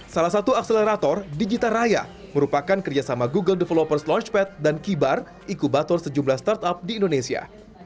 salah satu akselerator digitaraya merupakan kerjasama google developers launchpad dan kibar ikubator sejumlah startup di indonesia